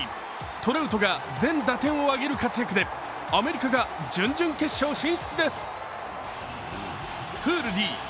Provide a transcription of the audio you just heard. トラウトが全打点を挙げる活躍で、アメリカが準々決勝進出です。